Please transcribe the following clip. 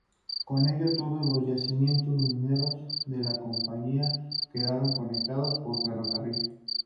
Con ello, todos los yacimientos mineros de la compañía quedaron conectados por ferrocarril.